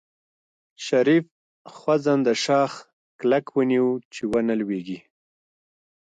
شريف خوځنده شاخ کلک ونيو چې ونه لوېږي.